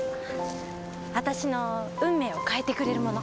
私の運命を変えてくれるもの。